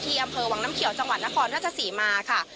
อำเภอวังน้ำเขียวจังหวัดนครราชศรีมาค่ะ